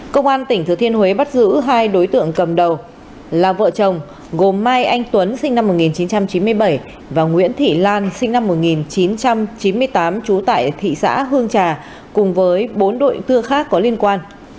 công an tỉnh thừa thiên huế bắt giữ hai đối tượng cầm đầu là vợ chồng gồm mai anh tuấn sinh năm một nghìn chín trăm chín mươi bảy và nguyễn thị lan sinh năm một nghìn chín trăm chín mươi tám trú tại thị xã hương trà cùng với bốn đội tư khác có liên quan